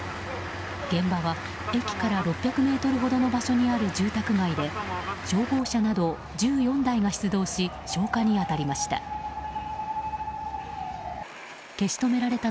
現場は駅から６００ｍほどの場所にある住宅街で消防車など１４台が出動し消火に当たりました。